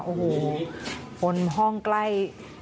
โอ้โหคนห้องใกล้